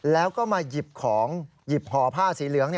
แล้วก็มาหยิบของหยิบห่อผ้าสีเหลือง